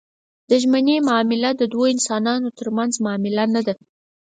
د ژمنې معامله د دوو انسانانو ترمنځ معامله نه ده.